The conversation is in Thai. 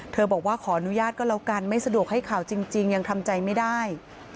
บอกว่าขออนุญาตก็แล้วกันไม่สะดวกให้ข่าวจริงยังทำใจไม่ได้